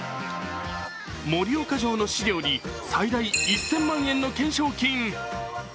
盛岡城の資料に最大１０００万円の懸賞金。